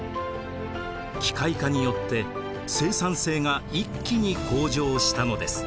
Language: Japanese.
機械化によって生産性が一気に向上したのです。